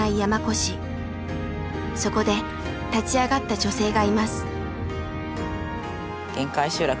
そこで立ち上がった女性がいます。